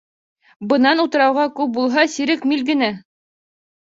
Бынан утрауға күп булһа сирек миль генә.